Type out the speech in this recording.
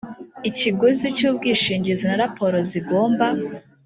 ikiguzi cy ubwishingizi na raporo zigomba